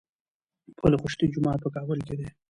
پل خشتي جومات په کابل کي دی